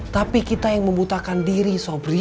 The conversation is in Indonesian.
tapi kita yang membutakan diri sobri